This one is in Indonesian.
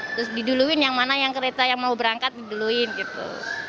terus diduluin yang mana yang kereta yang mau berangkat diduluin gitu